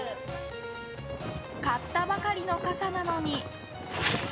買ったばかりの傘なのに。